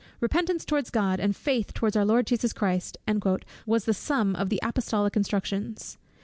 "Repentance towards God, and faith towards our Lord Jesus Christ," was the sum of the apostolical instructions.